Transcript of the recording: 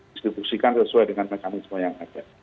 distribusikan sesuai dengan mekanisme yang ada